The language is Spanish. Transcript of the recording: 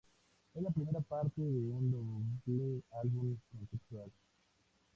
Es la primera parte de un doble álbum conceptual.